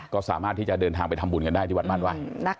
ก็สามารถที่จะเดินทางไปทำบุญกันได้ที่วัดม่านไหว้